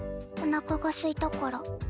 おなかがすいたから。